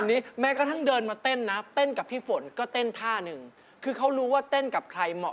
นี่ใครกลับมาเกิดก็อย่างนี้อ่ะ